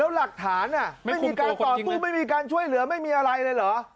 แล้วหลักฐานไม่มีการต่อสู้ไม่มีการช่วยเหลือไม่มีอะไรเลยเหรอ